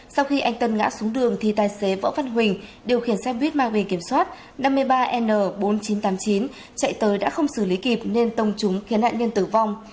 sau khi anh tân ngã xuống đường thì tài xế võ văn huỳnh điều khiển xe buýt mang bề kiểm soát năm mươi ba n bốn nghìn chín trăm tám mươi chín chạy tới đã không xử lý kịp nên tông trúng khiến nạn nhân tử vong